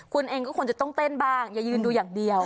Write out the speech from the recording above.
คุณเองก็ควรจะต้องเต้นบ้างอย่ายืนดูอย่างเดียว